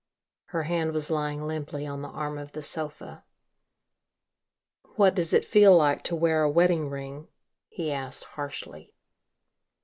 Her hand was lying limply on the arm of the sofa. "What does it feel like to wear a wedding ring?" he asked harshly.